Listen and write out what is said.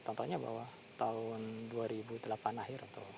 tontonnya bahwa tahun dua ribu delapan akhir